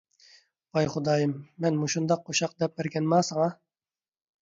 ۋاي خۇدايىم، مەن مۇشۇنداق قوشاق دەپ بەرگەنما ساڭا؟